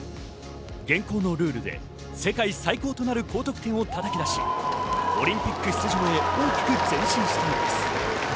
現行のルールで世界最高となる高得点をたたき出し、オリンピック出場へ大きく前進したのです。